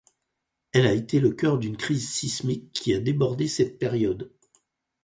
Elle a été le cœur d'une crise sismique qui a débordé cette période.